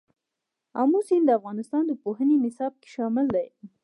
آمو سیند د افغانستان د پوهنې نصاب کې شامل دي.